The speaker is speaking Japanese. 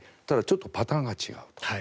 ただ、ちょっとパターンが違う。